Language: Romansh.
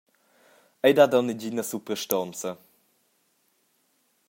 Ei dat aunc negina suprastonza.